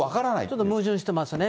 ちょっと矛盾してますね。